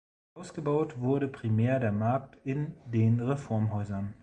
Ausgebaut wurde primär der Markt in den Reformhäusern.